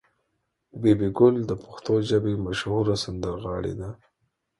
بي بي ګل د پښتو ژبې مشهوره سندرغاړې ده.